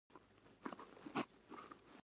لکه شهرت او امتياز.